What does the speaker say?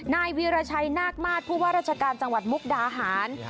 นายวีรชัยนาคมาสผู้ว่าราชการจังหวัดมุกดาหาร